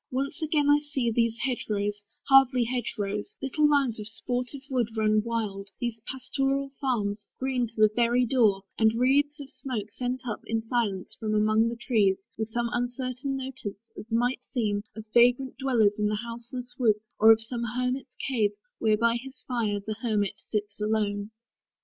Once again I see These hedge rows, hardly hedge rows, little lines Of sportive wood run wild; these pastoral farms Green to the very door; and wreathes of smoke Sent up, in silence, from among the trees, With some uncertain notice, as might seem, Of vagrant dwellers in the houseless woods, Or of some hermit's cave, where by his fire The hermit sits alone.